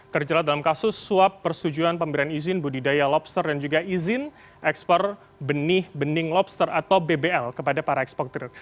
terjerat dalam kasus suap persetujuan pemberian izin budidaya lobster dan juga izin ekspor benih bening lobster atau bbl kepada para eksportir